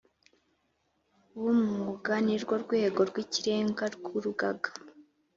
B umwuga ni rwo rwego rw ikirenga rw urugaga